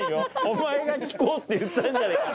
お前が聞こうって言ったんじゃねえか。